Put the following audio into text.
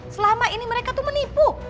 selama ini mereka tuh menipu